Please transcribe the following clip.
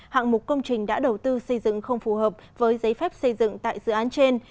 hạng mục công trình đã đầu tư xây dựng không phù hợp với giấy phép xây dựng tại dự án trên